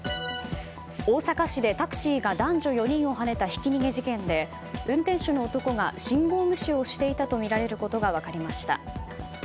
大阪市でタクシーが男女４人をはねたひき逃げ事件で、運転手の男が信号無視をしていたとみられることが分かりました。